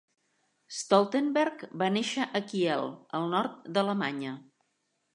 Stoltenberg va néixer a Kiel, al nord d'Alemanya.